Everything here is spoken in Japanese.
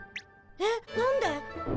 えっ何で？